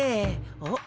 あっ！